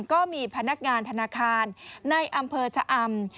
ก็มีพนักงานธนาคารในอำเภอชะอำ